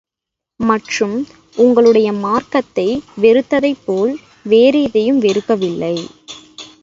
மற்றும், உங்களுடைய மார்க்கத்தை வெறுத்ததைப் போல் வேறு எதையும் வெறுக்கவில்லை.